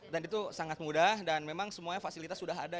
dan itu sangat mudah dan memang semuanya fasilitas udah ada